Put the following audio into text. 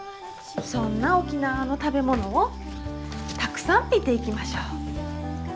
そんな沖縄の食べ物をたくさん見ていきましょう。